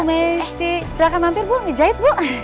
eh bu messi silahkan mampir bu ngejahit bu